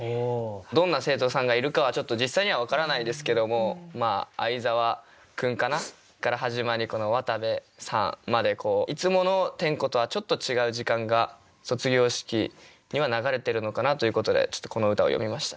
どんな生徒さんがいるかはちょっと実際には分からないですけども「あいざわ」君かなから始まり「わたべ」さんまでいつもの点呼とはちょっと違う時間が卒業式には流れてるのかなということでこの歌を詠みました。